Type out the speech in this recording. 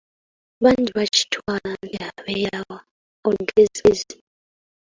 Bangi bakitwala nti abeera wa "olugezigezi".